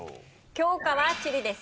教科は地理です。